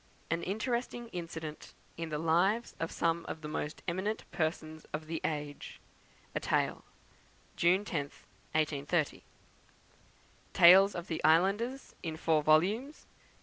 An interesting Incident in the Lives of some of the most eminent Persons of the Age, a Tale, June 10th, 1830. Tales of the Islanders, in four volumes.